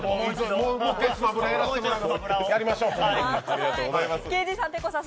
もう一回「スマブラ」やらせてもらって。